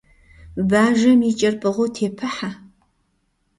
Бажэм и кӀэр пӀыгъыу тепыхьэ.